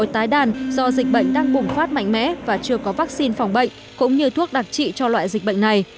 trong các biện phòng bệnh cũng như thuốc đặc trị cho loại dịch bệnh này